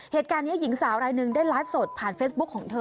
เหตุการณ์นี้หญิงสาวรายหนึ่งได้ไลฟ์สดผ่านเฟซบุ๊คของเธอ